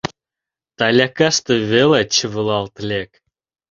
Талякаште веле чывылалт лек.